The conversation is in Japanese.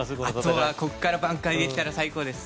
あとはここから挽回できたら最高です